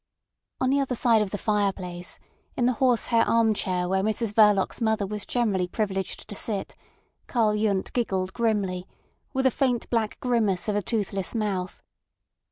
On the other side of the fireplace, in the horse hair arm chair where Mrs Verloc's mother was generally privileged to sit, Karl Yundt giggled grimly, with a faint black grimace of a toothless mouth.